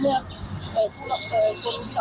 แล้วก็ให้คนเนี่ยนายบิ้งเซอร์ซักนานเนี่ย